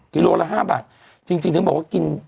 กิโลละ๕บาทจริงถึงบอกว่ากิน